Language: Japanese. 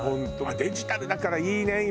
デジタルだからいいね今。